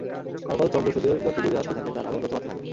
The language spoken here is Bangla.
তারপর চন্দ্র সূর্যের যত দূরে আসতে থাকে তার আলোও তত বাড়তে থাকে।